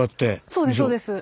そうですそうです。